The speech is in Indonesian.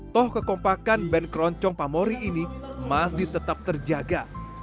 toh kekompakan band keroncong pamori ini masih tetap terjaga